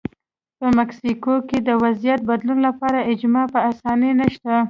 په مکسیکو کې د وضعیت بدلون لپاره اجماع په اسانۍ نشته.